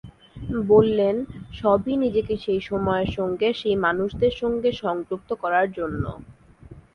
বললেন, সবই নিজেকে সেই সময়ের সঙ্গে, সেই মানুষদের সঙ্গে সংযুক্ত করার জন্য।